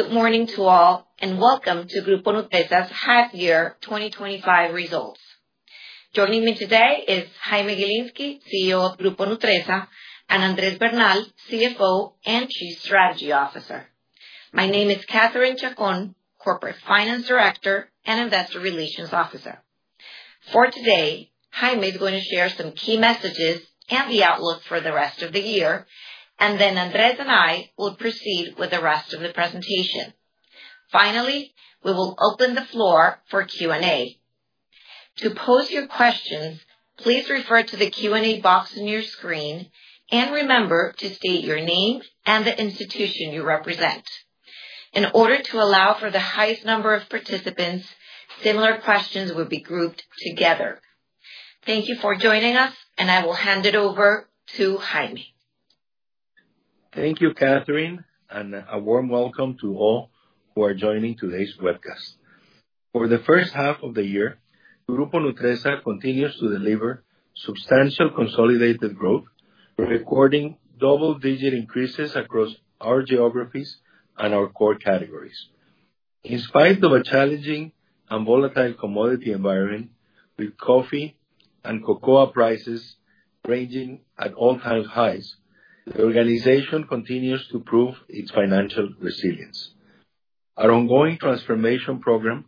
Good morning to all, and welcome to Grupo Nutresa's half-year 2025 results. Joining me today is Jaime Gilinski, CEO of Grupo Nutresa, and Andrés Bernal, CFO and Chief Strategy Officer. My name is Catherine Chacón, Corporate Finance Director and Investor Relations Officer. For today, Jaime is going to share some key messages and the outlook for the rest of the year, and then Andrés and I will proceed with the rest of the presentation. Finally, we will open the floor for Q&A. To post your questions, please refer to the Q&A box on your screen and remember to state your name and the institution you represent. In order to allow for the highest number of participants, similar questions will be grouped together. Thank you for joining us, and I will hand it over to Jaime. Thank you, Catherine, and a warm welcome to all who are joining today's webcast. For the first half of the year, Grupo Nutresa continues to deliver substantial consolidated growth, recording double-digit increases across our geographies and our core categories. In spite of a challenging and volatile commodity environment, with coffee and cocoa prices ranging at all-time highs, the organization continues to prove its financial resilience. Our ongoing transformation program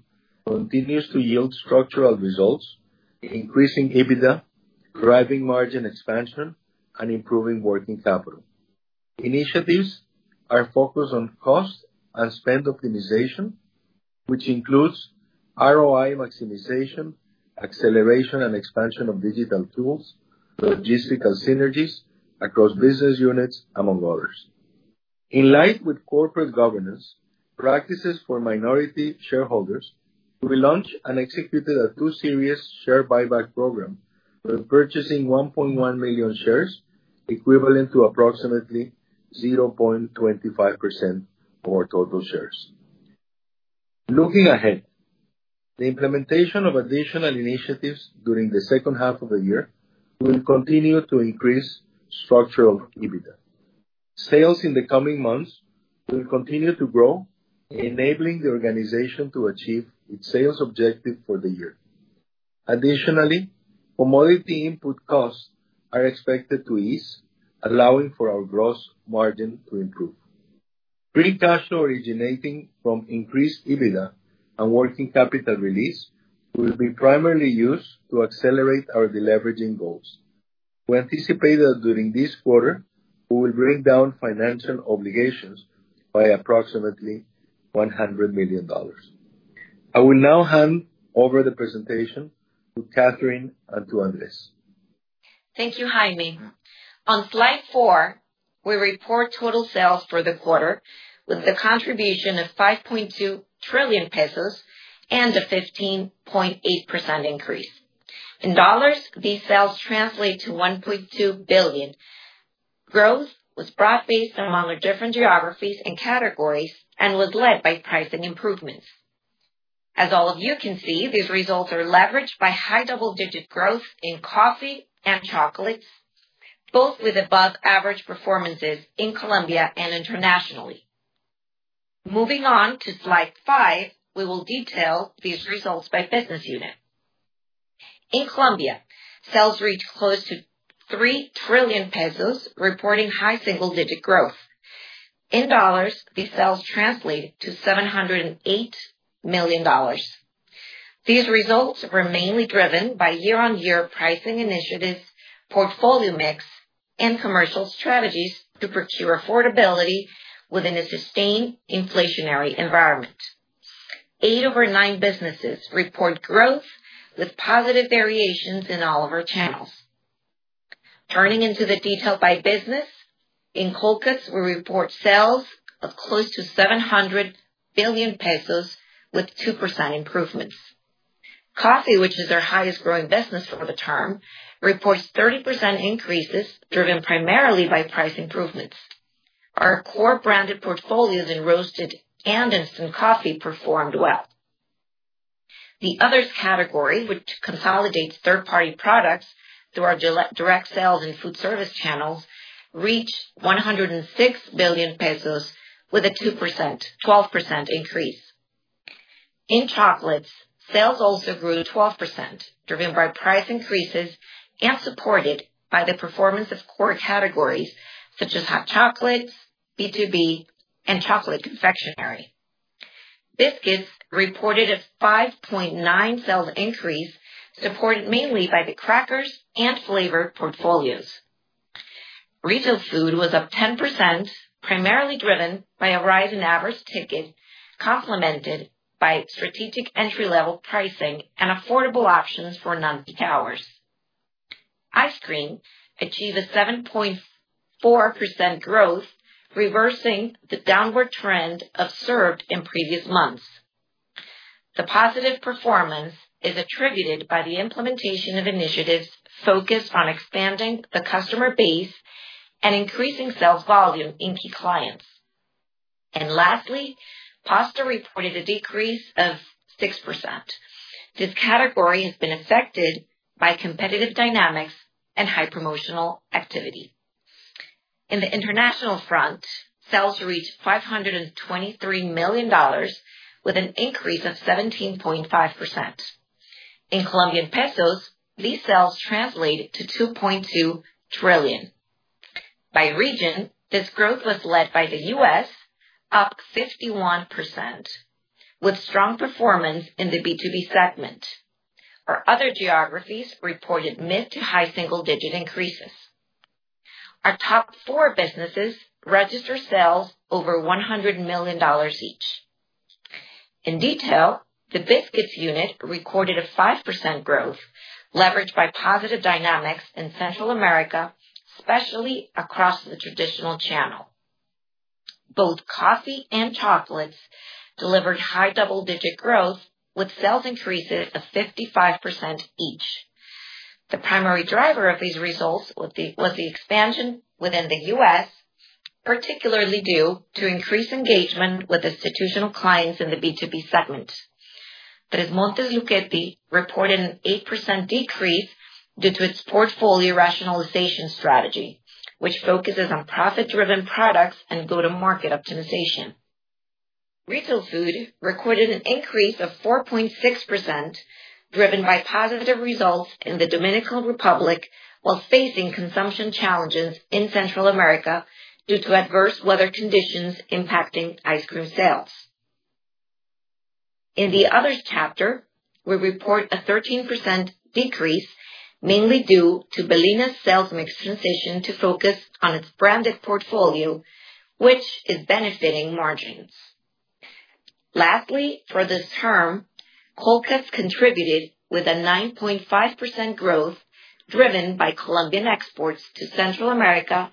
continues to yield structural results, increasing EBITDA, driving margin expansion, and improving working capital. Initiatives are focused on cost and spend optimization, which includes ROI maximization, acceleration, and expansion of digital tools, logistical synergies across business units, among others. In line with corporate governance practices for minority shareholders, we launched and executed a two-series share buyback program by purchasing 1.1 million shares, equivalent to approximately 0.25% of our total shares. Looking ahead, the implementation of additional initiatives during the second half of the year will continue to increase structural EBITDA. Sales in the coming months will continue to grow, enabling the organization to achieve its sales objective for the year. Additionally, commodity input costs are expected to ease, allowing for our gross margin to improve. Free cash flow originating from increased EBITDA and working capital release will be primarily used to accelerate our deleveraging goals. We anticipate that during this quarter, we will bring down financial obligations by approximately $100 million. I will now hand over the presentation to Catherine and to Andrés. Thank you, Jaime. On slide four, we report total sales for the quarter with the contribution of COP 5.2 trillion and a 15.8% increase. In dollars, these sales translate to $1.2 billion. Growth was broad-based among our different geographies and categories and was led by pricing improvements. As all of you can see, these results are leveraged by high double-digit growth in coffee and chocolates, both with above-average performances in Colombia and internationally. Moving on to slide five, we will detail these results by business unit. In Colombia, sales reached close to COP 3 trillion, reporting high single-digit growth. In dollars, these sales translate to $708 million. These results were mainly driven by year-on-year pricing initiatives, portfolio mix, and commercial strategies to procure affordability within a sustained inflationary environment. Eight of our nine businesses report growth with positive variations in all of our channels. Turning into the detail by business. In cold cuts, we report sales of close to COP 700 billion, with 2% improvements. Coffee, which is our highest-growing business for the term, reports 30% increases driven primarily by price improvements. Our core branded portfolios in roasted and instant coffee performed well. The others category, which consolidates third-party products through our direct sales and food service channels, reached COP 106 billion, with a 12% increase. In chocolates, sales also grew 12%, driven by price increases and supported by the performance of core categories such as hot chocolates, B2B, and chocolate confectionery. Biscuits reported a 5.9% sales increase, supported mainly by the crackers and flavor portfolios. Retail food was up 10%, primarily driven by a rise in average ticket, complemented by strategic entry-level pricing and affordable options for non-peak hours. Ice cream achieved a 7.4% growth, reversing the downward trend observed in previous months. The positive performance is attributed by the implementation of initiatives focused on expanding the customer base and increasing sales volume in key clients. Lastly, pasta reported a decrease of 6%. This category has been affected by competitive dynamics and high promotional activity. In the international front, sales reached $523 million, with an increase of 17.5%. In Colombian pesos, these sales translate to COP 2.2 trillion. By region, this growth was led by the U.S., up 51%, with strong performance in the B2B segment. Our other geographies reported mid to high single-digit increases. Our top four businesses register sales over $100 million each. In detail, the biscuits unit recorded a 5% growth, leveraged by positive dynamics in Central America, especially across the traditional channel. Both coffee and chocolates delivered high double-digit growth, with sales increases of 55% each. The primary driver of these results was the expansion within the U.S., particularly due to increased engagement with institutional clients in the B2B segment. Tresmontes Lucchetti reported an 8% decrease due to its portfolio rationalization strategy, which focuses on profit-driven products and go-to-market optimization. Retail food recorded an increase of 4.6%, driven by positive results in the Dominican Republic, while facing consumption challenges in Central America due to adverse weather conditions impacting ice cream sales. In the others chapter, we report a 13% decrease, mainly due to Balena's sales mix transition to focus on its branded portfolio, which is benefiting margins. Lastly, for this term, COLCAS contributed with a 9.5% growth, driven by Colombian exports to Central America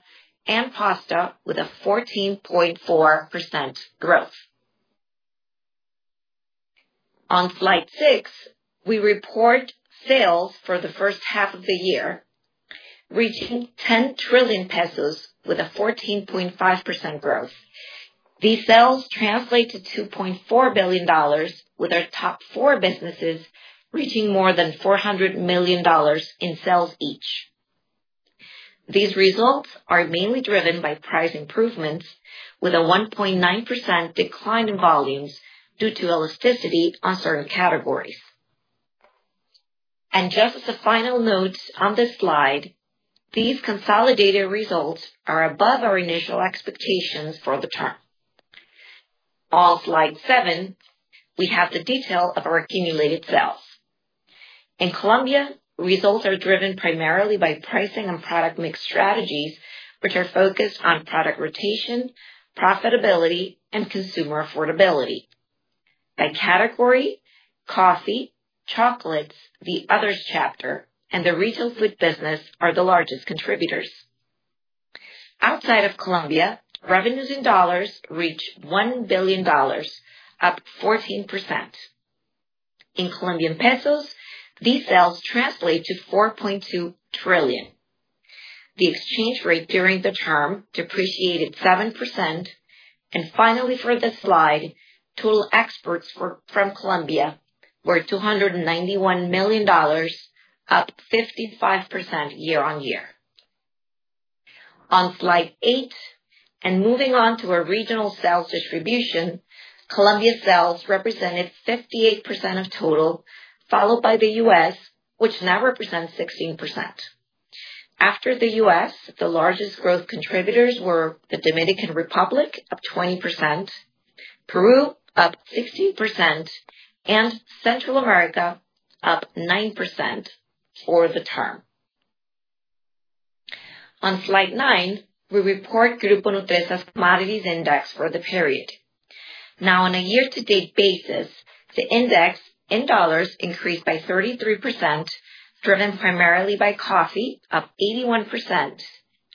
and pasta, with a 14.4% growth. On slide six, we report sales for the first half of the year, reaching COP 10 trillion, with a 14.5% growth. These sales translate to $2.4 billion, with our top four businesses reaching more than $400 million in sales each. These results are mainly driven by price improvements, with a 1.9% decline in volumes due to elasticity on certain categories. Just as a final note on this slide, these consolidated results are above our initial expectations for the term. On slide seven, we have the detail of our accumulated sales. In Colombia, results are driven primarily by pricing and product mix strategies, which are focused on product rotation, profitability, and consumer affordability. By category, coffee, chocolates, the others chapter, and the retail food business are the largest contributors. Outside of Colombia, revenues in dollars reach $1 billion, up 14%. In Colombian pesos, these sales translate to COP 4.2 trillion. The exchange rate during the term depreciated 7%. Finally, for this slide, total exports from Colombia were $291 million, up 55% year-on-year. On slide eight, and moving on to our regional sales distribution, Colombia's sales represented 58% of total, followed by the U.S., which now represents 16%. After the U.S., the largest growth contributors were the Dominican Republic, up 20%, Peru, up 16%, and Central America, up 9% for the term. On slide nine, we report Grupo Nutresa's commodities index for the period. Now, on a year-to-date basis, the index in dollars increased by 33%, driven primarily by coffee, up 81%,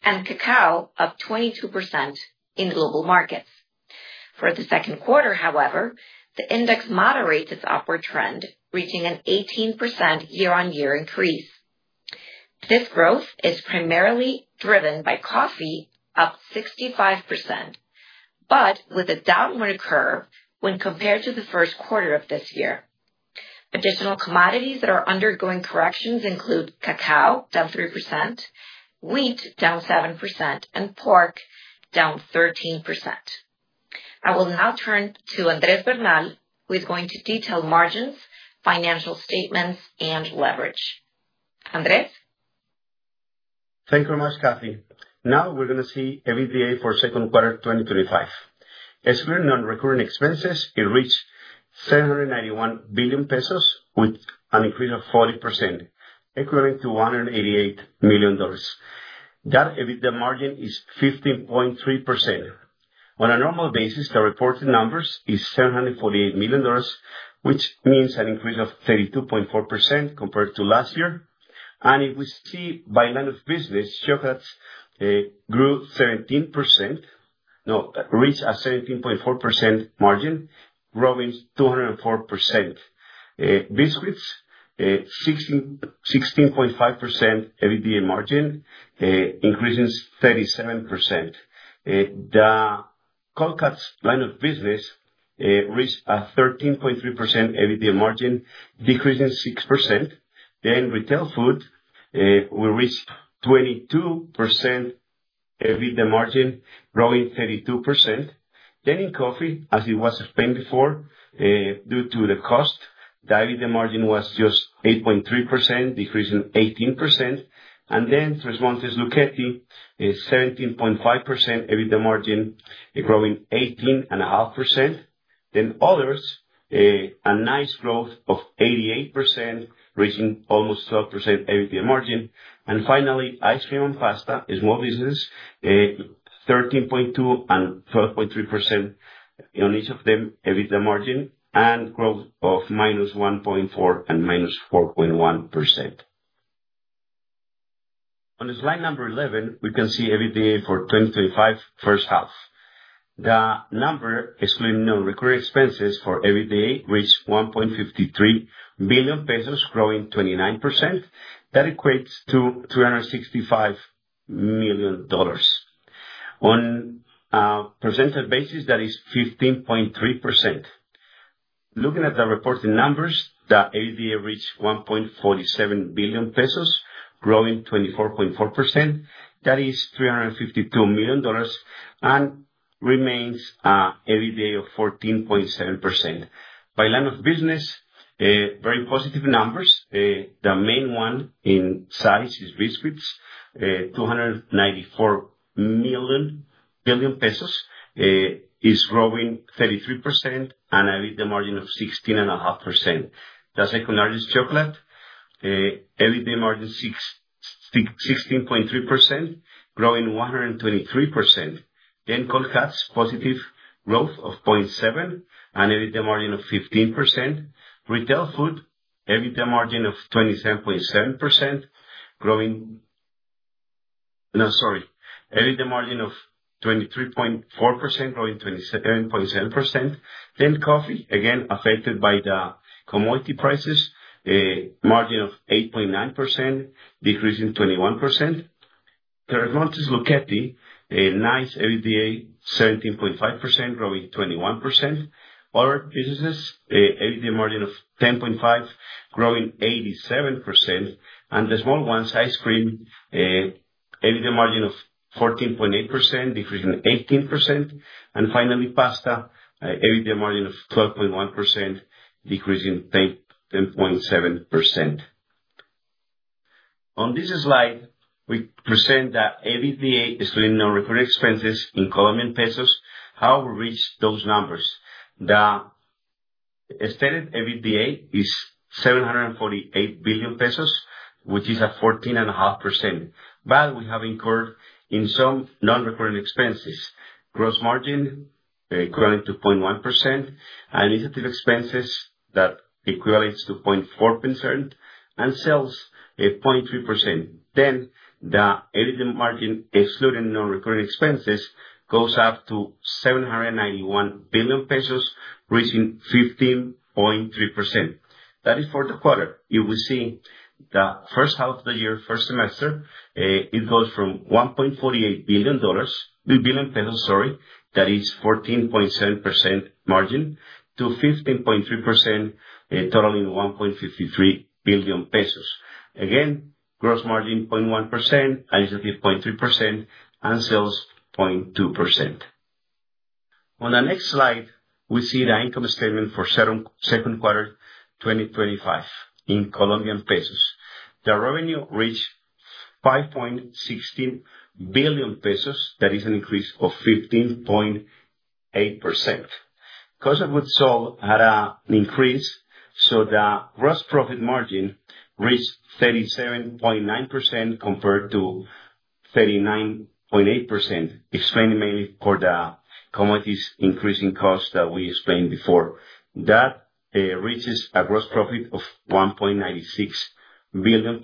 and cacao, up 22% in global markets. For the second quarter, however, the index moderates its upward trend, reaching an 18% year-on-year increase. This growth is primarily driven by coffee, up 65%, but with a downward curve when compared to the first quarter of this year. Additional commodities that are undergoing corrections include cacao, down 3%, wheat, down 7%, and pork, down 13%. I will now turn to Andrés Bernal, who is going to detail margins, financial statements, and leverage. Andrés. Thank you very much, Catherine. Now we're going to see EBITDA for second quarter 2025. As we're on recurring expenses, it reached COP 791 billion, with an increase of 40%, equivaling to $188 million. That EBITDA margin is 15.3%. On a normal basis, the reported numbers are COP 748 billion, which means an increase of 32.4% compared to last year. If we see by line of business, chocolates grew 17%, reached a 17.4% margin, growing 204%. Biscuits, 16.5% EBITDA margin, increasing 37%. The COLCAS line of business reached a 13.3% EBITDA margin, decreasing 6%. Retail food, we reached 22% EBITDA margin, growing 32%. In coffee, as it was explained before, due to the cost, the EBITDA margin was just 8.3%, decreasing 18%. Tresmontes Lucchetti, 17.5% EBITDA margin, growing 18.5%. Others, a nice growth of 88%, reaching almost 12% EBITDA margin. Finally, ice cream and pasta, small business, 13.2% and 12.3% on each of them, EBITDA margin and growth of -1.4% and -4.1%. On slide number 11, we can see EBITDA for 2025 first half. The number, excluding non-recurring expenses for EBITDA, reached COP 1.53 billion, growing 29%. That equates to $265 million. On a percentage basis, that is 15.3%. Looking at the reported numbers, the EBITDA reached COP 1.47 billion, growing 24.4%. That is $352 million and remains an EBITDA of 14.7%. By line of business, very positive numbers. The main one in size is biscuits, COP 294 billion, is growing 33% and EBITDA margin of 16.5%. The second largest, chocolate, EBITDA margin 16.3%, growing 123%. COLCAS, positive growth of 0.7% and EBITDA margin of 15%. Retail food, EBITDA margin of 23.4%, growing 27.7%. Coffee, again affected by the commodity prices, margin of 8.9%, decreasing 21%. Tresmontes Lucchetti, nice EBITDA, 17.5%, growing 21%. Other businesses, EBITDA margin of 10.5%, growing 87%. The small ones, ice cream, EBITDA margin of 14.8%, decreasing 18%. Finally, pasta, EBITDA margin of 12.1%, decreasing 10.7%. On this slide, we present the EBITDA, excluding non-recurring expenses, in Colombian pesos. How we reached those numbers. The stated EBITDA is COP 748 billion, which is a 14.5%. We have incurred in some non-recurring expenses. Gross margin, equivaling to 0.1%, and initiative expenses that equival to 0.4%, and sales at 0.3%. The EBITDA margin, excluding non-recurring expenses, goes up to COP 791 billion, reaching 15.3%. That is for the quarter. If we see the first half of the year, first semester, it goes from COP 1.48 billion, sorry, that is 14.7% margin, to 15.3%, totaling COP 1.53 billion. Again, gross margin 0.1%, initiative 0.3%, and sales 0.2%. On the next slide, we see the income statement for second quarter 2025 in Colombian pesos. The revenue reached COP 5.16 billion. That is an increase of 15.8%. Cost of goods sold had an increase, so the gross profit margin reached 37.9% compared to. 39.8%, explaining mainly for the commodities increasing cost that we explained before. That reaches a gross profit of COP 1.96 billion.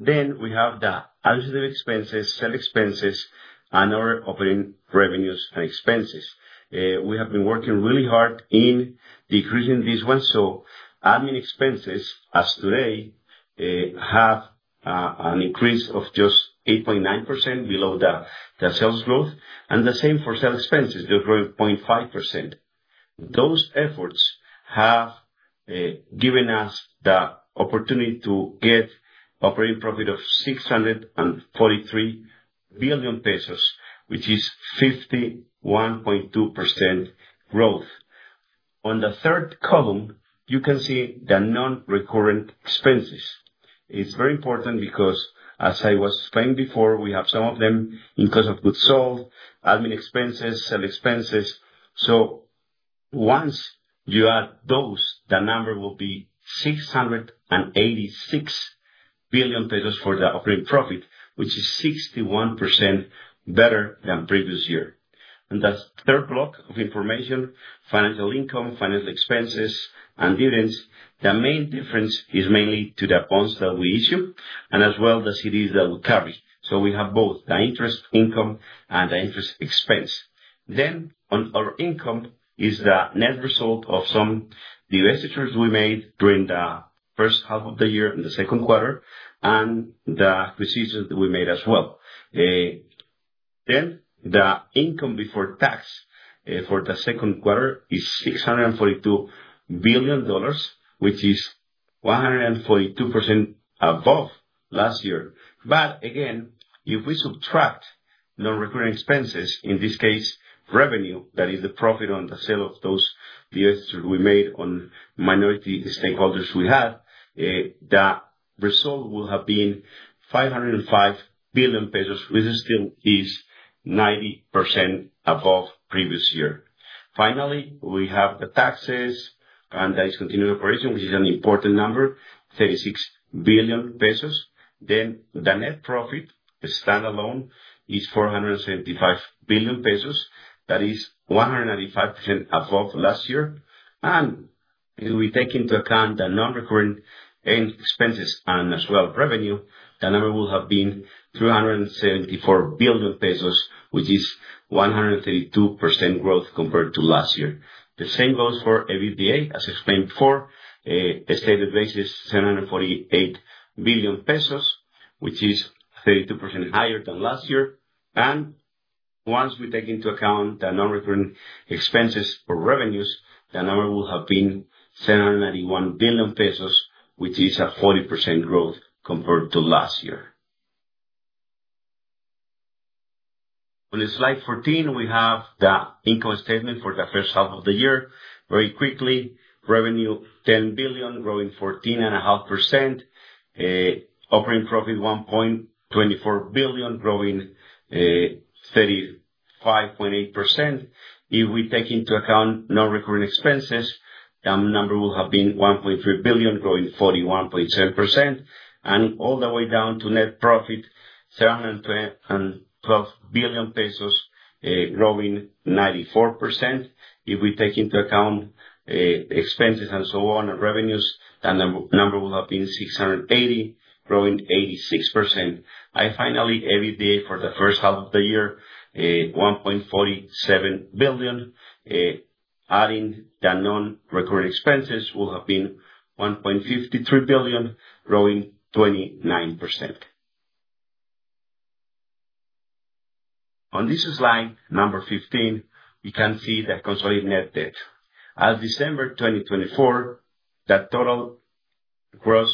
Then we have the administrative expenses, sale expenses, and other operating revenues and expenses. We have been working really hard in decreasing these ones. Admin expenses, as today, have an increase of just 8.9% below the sales growth. The same for sale expenses, just growing 0.5%. Those efforts have given us the opportunity to get operating profit of COP 643 billion, which is 51.2% growth. On the third column, you can see the non-recurrent expenses. It is very important because, as I was explaining before, we have some of them in cost of goods sold, admin expenses, sale expenses. Once you add those, the number will be COP 686 billion for the operating profit, which is 61% better than the previous year. In the third block of information, financial income, financial expenses, and dividends, the main difference is mainly to the bonds that we issue and as well the CDs that we carry. We have both the interest income and the interest expense. On our income is the net result of some divestitures we made during the first half of the year in the second quarter and the decisions that we made as well. The income before tax for the second quarter is $642 billion, which is 142% above last year. If we subtract non-recurring expenses, in this case, revenue, that is the profit on the sale of those divestitures we made on minority stakeholders we had, the result will have been COP 505 billion, which still is 90% above previous year. Finally, we have the taxes and the discontinued operation, which is an important number, COP 36 billion. The net profit, standalone, is COP 475 billion. That is 195% above last year. If we take into account the non-recurring expenses and as well revenue, the number will have been COP 374 billion, which is 132% growth compared to last year. The same goes for EBITDA, as explained before. The stated base is COP 748 billion, which is 32% higher than last year. Once we take into account the non-recurring expenses or revenues, the number will have been COP 791 billion, which is a 40% growth compared to last year. On slide 14, we have the income statement for the first half of the year. Very quickly, revenue COP 10 billion, growing 14.5%. Operating profit COP 1.24 billion, growing 35.8%. If we take into account non-recurring expenses, the number will have been COP 1.3 billion, growing 41.7%. All the way down to net profit, COP 712 billion, growing 94%. If we take into account expenses and so on and revenues, the number will have been COP 680 billion, growing 86%. Finally, EBITDA for the first half of the year, COP 1.47 billion. Adding the non-recurring expenses, will have been COP 1.53 billion, growing 29%. On this slide, number 15, we can see the consolidated net debt. As of December 2024, the total gross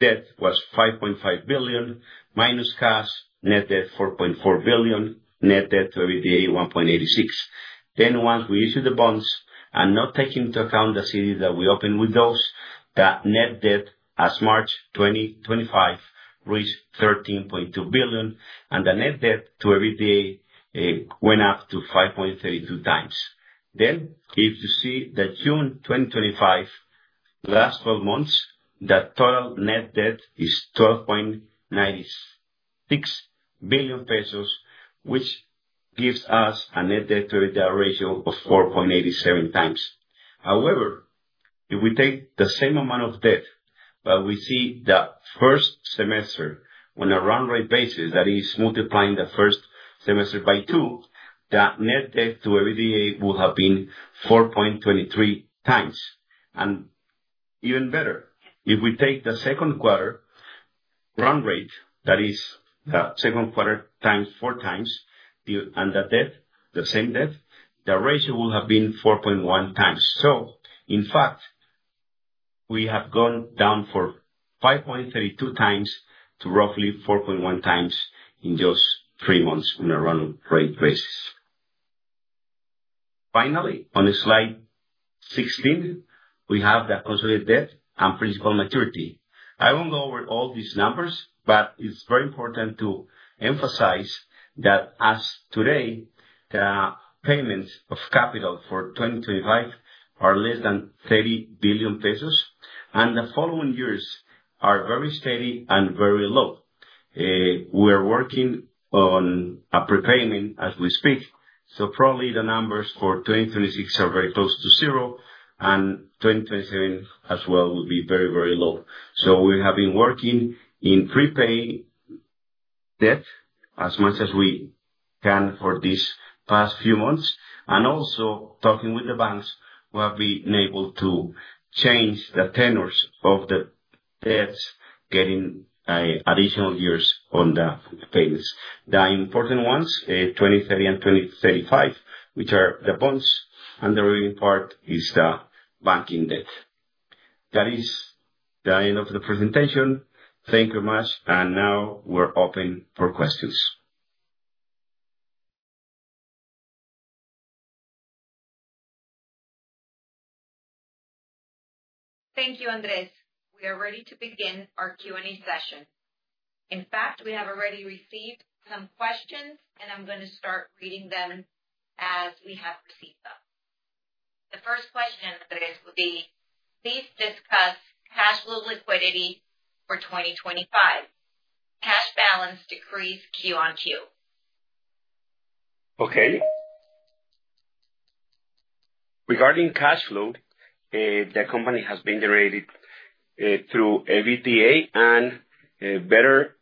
debt was COP 5.5 billion, minus cash, net debt COP 4.4 billion, net debt to EBITDA 1.86. Once we issued the bonds and not taking into account the CDs that we opened with those, the net debt as of March 2025 reached COP 13.2 billion, and the net debt to EBITDA went up to 5.32 times. If you see the June 2025 last 12 months, the total net debt is COP 12.96 billion, which gives us a net debt to EBITDA ratio of 4.87 times. However, if we take the same amount of debt, but we see the first semester on a round rate basis, that is multiplying the first semester by two, the net debt to EBITDA would have been 4.23 times. Even better, if we take the second quarter round rate, that is the second quarter times four, and the debt, the same debt, the ratio would have been 4.1 times. In fact, we have gone down from 5.32 times to roughly 4.1 times in just three months on a round rate basis. Finally, on slide 16, we have the consolidated debt and principal maturity. I will not go over all these numbers, but it is very important to emphasize that as of today, the payments of capital for 2025 are less than COP 30 billion, and the following years are very steady and very low. We are working on a prepayment as we speak. Probably the numbers for 2026 are very close to zero, and 2027 as well will be very, very low. We have been working to prepay debt as much as we can for these past few months. Also, talking with the banks, we have been able to change the tenors of the debts, getting additional years on the payments. The important ones, 2030 and 2035, which are the bonds, and the remaining part is the banking debt. That is the end of the presentation. Thank you very much. Now we are open for questions. Thank you, Andrés. We are ready to begin our Q&A session. In fact, we have already received some questions, and I'm going to start reading them as we have received them. The first question, Andrés, would be, please discuss cash flow liquidity for 2025. Cash balance decrease Q on Q. Okay. Regarding cash flow. The company has been generated through EBITDA and better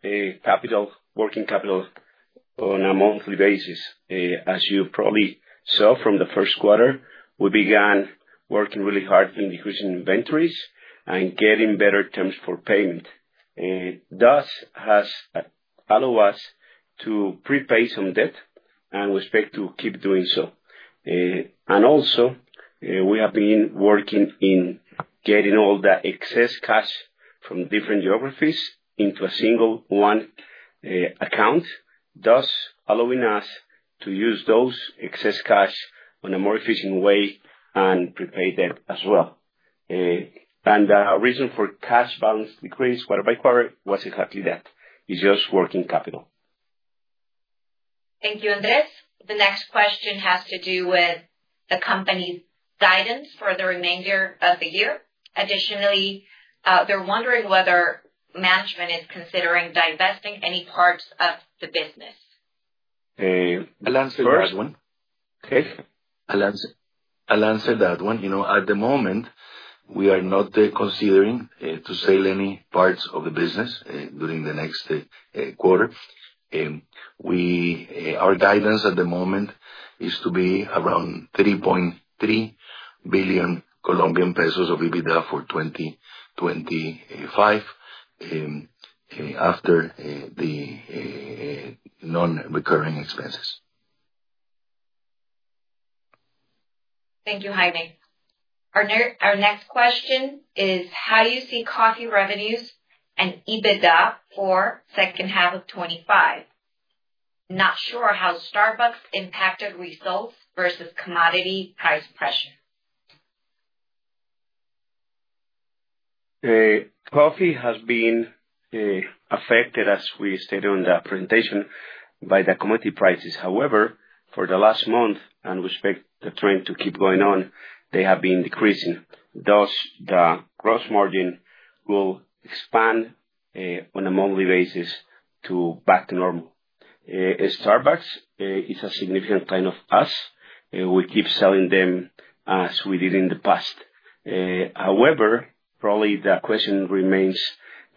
working capital on a monthly basis. As you probably saw from the first quarter, we began working really hard in decreasing inventories and getting better terms for payment. This has allowed us to prepay some debt and we expect to keep doing so. Also, we have been working in getting all the excess cash from different geographies into a single one account, thus allowing us to use those excess cash in a more efficient way and prepay debt as well. The reason for cash balance decrease quarter by quarter was exactly that. It's just working capital. Thank you, Andrés. The next question has to do with the company's guidance for the remainder of the year. Additionally, they're wondering whether management is considering divesting any parts of the business. I'll answer that one. Go for it. Okay. I'll answer that one. At the moment, we are not considering to sell any parts of the business during the next quarter. Our guidance at the moment is to be around COP 3.3 billion of EBITDA for 2025. After the non-recurring expenses. Thank you, Jaime. Our next question is how you see coffee revenues and EBITDA for the second half of 2025. Not sure how Starbucks impacted results versus commodity price pressure. Coffee has been affected, as we stated on the presentation, by the commodity prices. However, for the last month, and we expect the trend to keep going on, they have been decreasing. Thus, the gross margin will expand on a monthly basis to back to normal. Starbucks is a significant client of us. We keep selling them as we did in the past. However, probably the question remains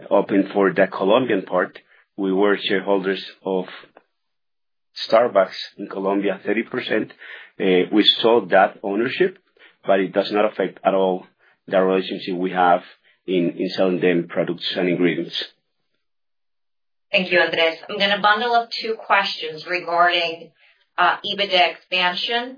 open for the Colombian part. We were shareholders of Starbucks in Colombia, 30%. We sold that ownership, but it does not affect at all the relationship we have in selling them products and ingredients. Thank you, Andrés. I'm going to bundle up two questions regarding EBITDA expansion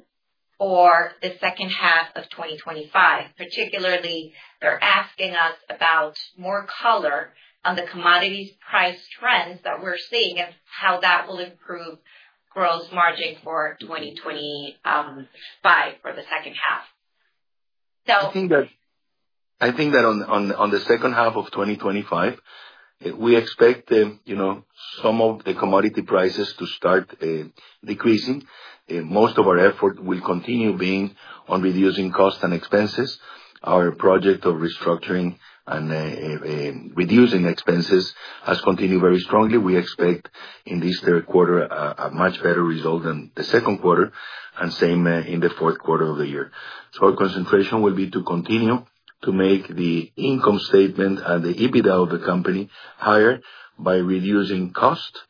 for the second half of 2025. Particularly, they're asking us about more color on the commodities price trends that we're seeing and how that will improve gross margin for 2025 for the second half. I think that on the second half of 2025, we expect some of the commodity prices to start decreasing. Most of our effort will continue being on reducing costs and expenses. Our project of restructuring and reducing expenses has continued very strongly. We expect in this third quarter a much better result than the second quarter, and same in the fourth quarter of the year. Our concentration will be to continue to make the income statement and the EBITDA of the company higher by reducing costs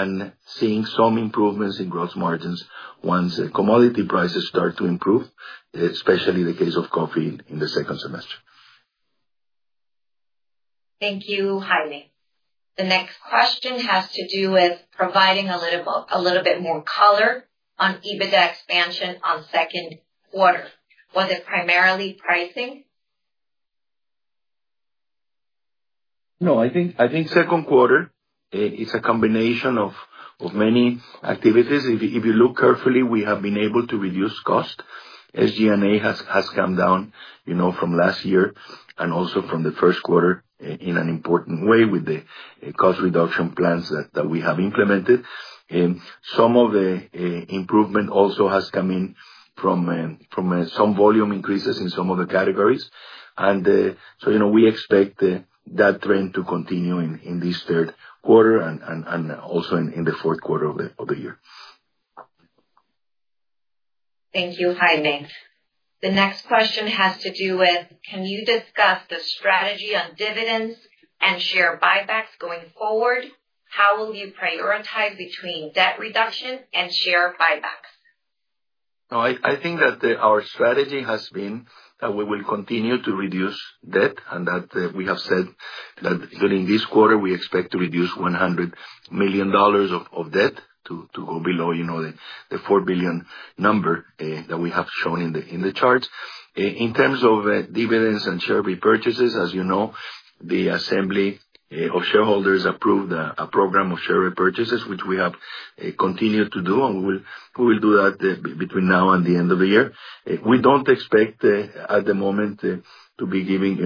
and seeing some improvements in gross margins once commodity prices start to improve, especially in the case of coffee in the second semester. Thank you, Jaime. The next question has to do with providing a little bit more color on EBITDA expansion on second quarter. Was it primarily pricing? No, I think second quarter is a combination of many activities. If you look carefully, we have been able to reduce costs. SG&A has come down from last year and also from the first quarter in an important way with the cost reduction plans that we have implemented. Some of the improvement also has come in from some volume increases in some of the categories. We expect that trend to continue in this third quarter and also in the fourth quarter of the year. Thank you, Jaime. The next question has to do with, can you discuss the strategy on dividends and share buybacks going forward? How will you prioritize between debt reduction and share buybacks? No, I think that our strategy has been that we will continue to reduce debt and that we have said that during this quarter, we expect to reduce $100 million of debt to go below the $4 billion number that we have shown in the charts. In terms of dividends and share repurchases, as you know, the assembly of shareholders approved a program of share repurchases, which we have continued to do, and we will do that between now and the end of the year. We do not expect at the moment to be giving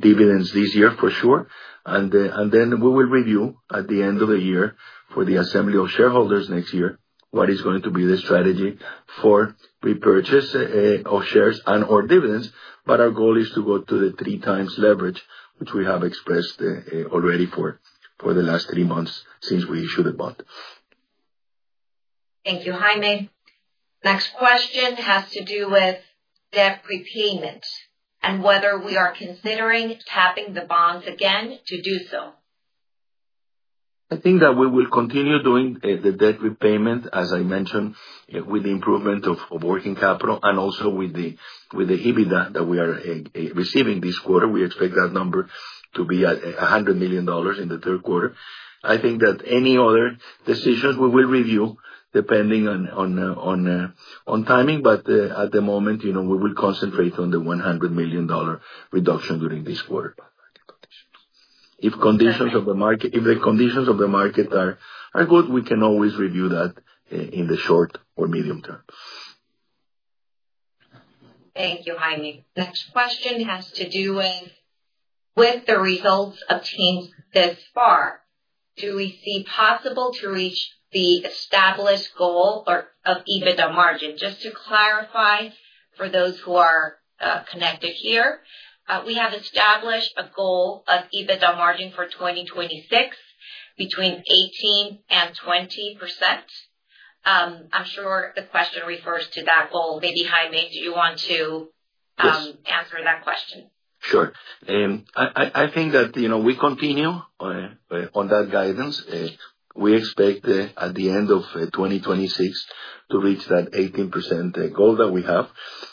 dividends this year for sure. We will review at the end of the year for the assembly of shareholders next year what is going to be the strategy for repurchase of shares and/or dividends. Our goal is to go to the three-times leverage, which we have expressed already for the last three months since we issued the bond. Thank you, Jaime. Next question has to do with debt repayment and whether we are considering tapping the bonds again to do so. I think that we will continue doing the debt repayment, as I mentioned, with the improvement of working capital and also with the EBITDA that we are receiving this quarter. We expect that number to be $100 million in the third quarter. I think that any other decisions we will review depending on timing, but at the moment, we will concentrate on the $100 million reduction during this quarter. If the conditions of the market are good, we can always review that in the short or medium term. Thank you, Jaime. Next question has to do with the results obtained thus far. Do we see possible to reach the established goal of EBITDA margin? Just to clarify for those who are connected here, we have established a goal of EBITDA margin for 2026 between 18% and 20%. I'm sure the question refers to that goal. Maybe, Jaime, do you want to answer that question? Sure. I think that we continue. On that guidance. We expect at the end of 2026 to reach that 18% goal that we have.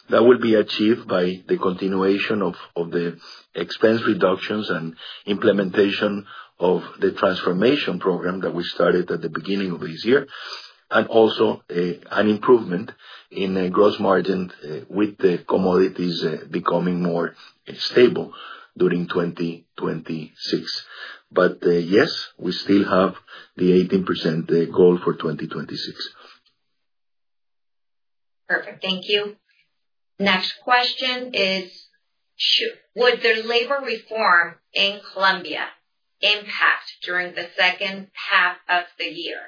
That will be achieved by the continuation of the expense reductions and implementation of the transformation program that we started at the beginning of this year, and also an improvement in gross margin with the commodities becoming more stable during 2026. Yes, we still have the 18% goal for 2026. Perfect. Thank you. Next question is, would the labor reform in Colombia impact during the second half of the year?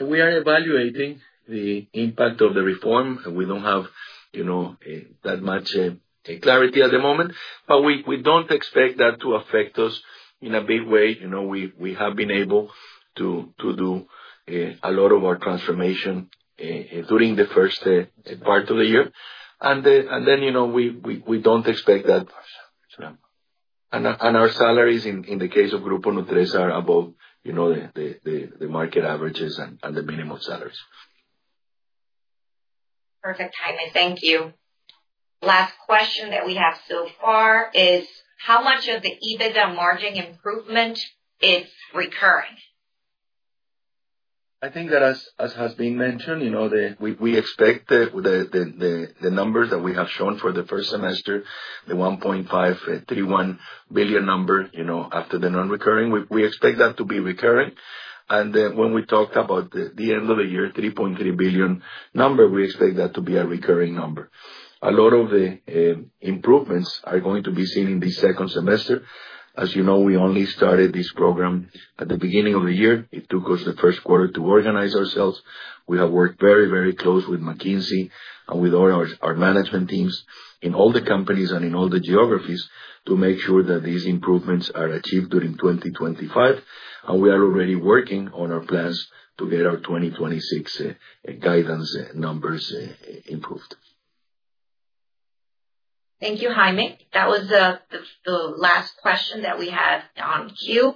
We are evaluating the impact of the reform. We do not have that much clarity at the moment, but we do not expect that to affect us in a big way. We have been able to do a lot of our transformation during the first part of the year. We do not expect that. Our salaries, in the case of Grupo Nutresa, are above the market averages and the minimum salaries. Perfect, Jaime. Thank you. Last question that we have so far is how much of the EBITDA margin improvement is recurring? I think that, as has been mentioned, we expect the numbers that we have shown for the first semester, the COP 1.531 billion number after the non-recurring, we expect that to be recurring. When we talked about the end of the year, COP 3.3 billion number, we expect that to be a recurring number. A lot of the improvements are going to be seen in the second semester. As you know, we only started this program at the beginning of the year. It took us the first quarter to organize ourselves. We have worked very, very close with McKinsey and with all our management teams in all the companies and in all the geographies to make sure that these improvements are achieved during 2025. We are already working on our plans to get our 2026 guidance numbers improved. Thank you, Jaime. That was the last question that we had on cue.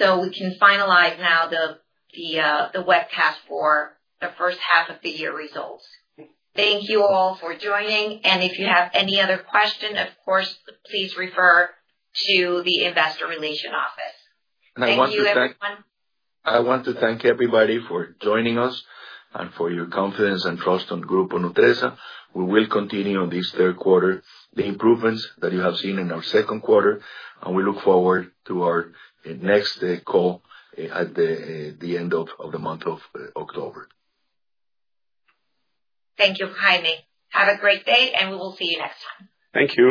We can finalize now the webcast for the first half of the year results. Thank you all for joining. If you have any other questions, of course, please refer to the investor relations office. I want to thank. Thank you, everyone. I want to thank everybody for joining us and for your confidence and trust in Grupo Nutresa. We will continue on this third quarter, the improvements that you have seen in our second quarter. We look forward to our next call at the end of the month of October. Thank you, Jaime. Have a great day, and we will see you next time. Thank you.